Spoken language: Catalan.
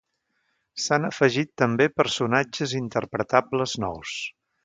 S'han afegit també personatges interpretables nous.